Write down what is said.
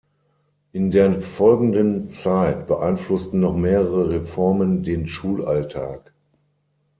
In der folgenden Zeit beeinflussten noch mehrere Reformen den Schulalltag.